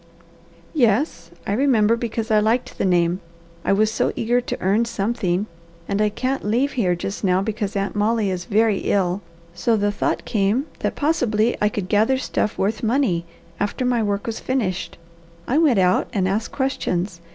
"Yes, I remember because I liked the name. I was so eager to earn something, and I can't leave here just now because Aunt Molly is very ill, so the thought came that possibly I could gather stuff worth money, after my work was finished. I went out and asked questions.